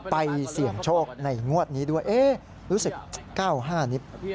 ไปเสี่ยงโชคในงวดนี้ด้วยรู้สึก๙๕นิด